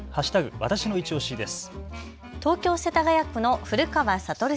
わたしのいちオシです。